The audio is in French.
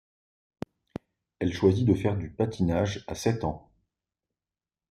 Elle choisit de faire du patinage à sept ans.